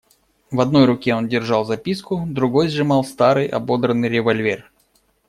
В одной руке он держал записку, другой сжимал старый, ободранный револьвер.